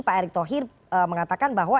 pak erick thohir mengatakan bahwa